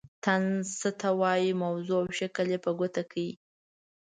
طنز څه ته وايي موضوع او شکل یې په ګوته کړئ.